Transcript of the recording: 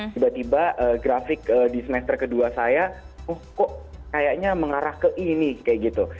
tiba tiba grafik di semester kedua saya oh kok kayaknya mengarah ke ini kayak gitu